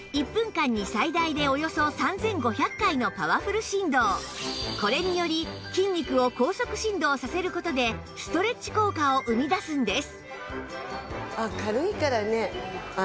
まずはこちらはこれにより筋肉を高速振動させる事でストレッチ効果を生み出すんです